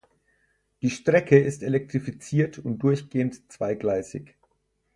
Die Strecke ist elektrifiziert und durchgehend zweigleisig.